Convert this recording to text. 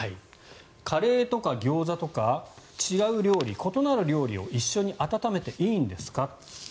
カレーとかギョーザとか違う料理、異なる料理を一緒に温めていいんですか？